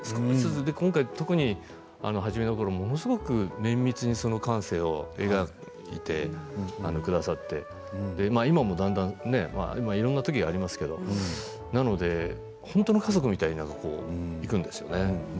今回は初めのころ特に綿密に半生を描いてくださって今もだんだんいろんな時がありますけれども本当の家族みたいにいくんですよね。